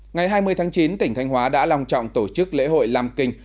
ngày hai mươi tháng chín tỉnh thanh hóa đã lòng trọng tổ chức lễ hội lam kinh